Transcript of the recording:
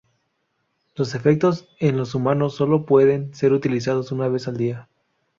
Los efectos en los humanos sólo pueden ser utilizados una vez al día.